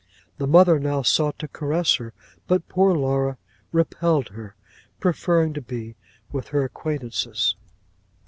'The mother now sought to caress her, but poor Laura repelled her, preferring to be with her acquaintances.